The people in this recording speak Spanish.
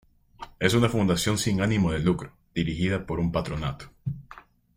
Es una Fundación sin animo de lucro, dirigida por un Patronato.